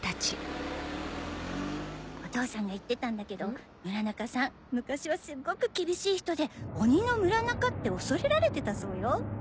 お父さんが言ってたんだけど村中さん昔はすっごく厳しい人で鬼の村中って恐れられてたそうよ。